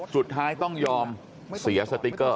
สุดท้ายต้องยอมเสียสติ๊กเกอร์